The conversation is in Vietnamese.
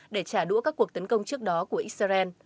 để trả đũa các cuộc tấn công trước đó của israel